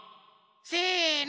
せの！